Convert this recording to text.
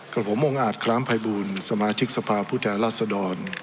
กลับผมองค์อาจคล้ำไพบูลสมาชิกสภาพุทธรรษดร